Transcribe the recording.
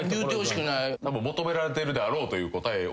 求められてるであろうという答えを。